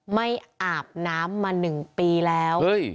ไม่อาบน้ำมา๑ปีแล้ว